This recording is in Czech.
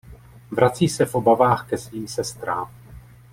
Vrací se v obavách ke svým sestrám.